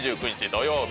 土曜日